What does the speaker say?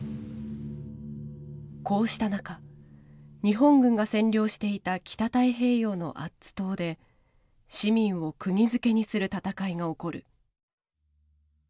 こうした中日本軍が占領していた北太平洋のアッツ島で市民をくぎづけにする戦いが起こる。